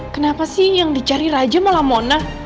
kenapa sih yang dicari raja malah mona